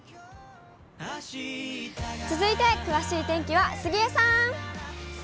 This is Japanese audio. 続いて詳しい天気は杉江さん。